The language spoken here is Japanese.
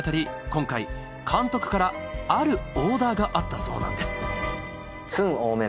今回監督からあるオーダーがあったそうなんです